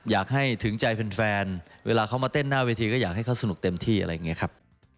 อยากให้ถึงใจแฟนเวลาเขามาเต้นหน้าเวทีก็อยากให้เขาสนุกเต็มที่อะไรอย่างนี้ครับ